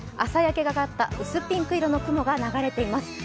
朝焼けがかった薄ピンク色の雲が流れています。